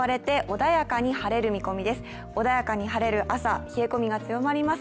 穏やかに晴れる朝冷え込みが強まります。